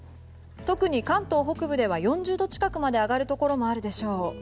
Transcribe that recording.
特に関東北部では４０度近くまで上がるところもあるでしょう。